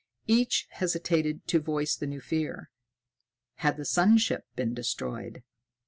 Each hesitated to voice the new fear: had the sun ship been destroyed?